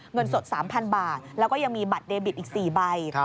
เงินสด๓๐๐๐บาทแล้วก็ยังมีบัตรเดบิตอีก๔ใบ